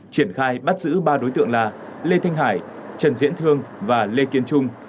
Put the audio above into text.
triển khai bắt giữ ba đối tượng là lê thanh hải trần diễn thương và lê kiên trung